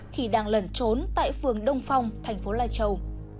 khi đang lẩn trốn tại phường đông phong thành phố lai châu